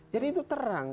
jadi itu terang